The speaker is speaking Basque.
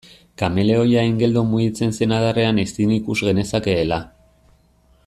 Kameleoia hain geldo mugitzen zen adarrean ezin ikus genezakeela.